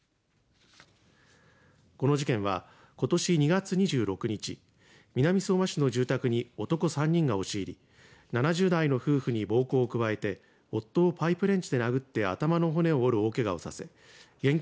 この事件はことし２月２６日南相馬市の住宅に男３人が押し入り７０代の夫婦に暴行を加えて夫をパイプレンチで殴って頭の骨を折る大けがをさせ現金